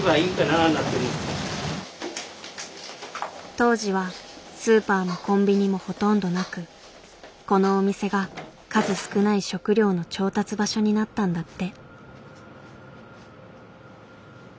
当時はスーパーもコンビニもほとんどなくこのお店が数少ない食料の調達場所になったんだって。